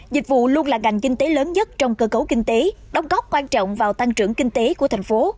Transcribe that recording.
dịch vụ luôn là ngành kinh tế lớn nhất trong cơ cấu kinh tế đóng góp quan trọng vào tăng trưởng kinh tế của thành phố